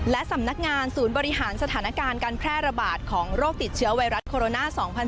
และสำนักงานศูนย์บริหารสถานการณ์การแพร่ระบาดของโรคติดเชื้อไวรัสโคโรนา๒๐๑๖